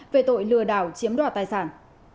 về tội lừa đảo chiếm đoạt tài sản